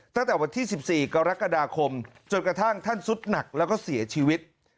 ตั้งแต่วันที่๑๔กรกฎาคมจนกระทั่งท่านสุดหนักแล้วก็เสียชีวิต